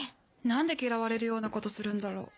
何で嫌われるようなことするんだろう？